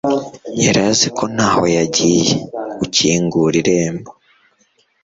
yari azi ko ntaho yagiye, gukingura irembo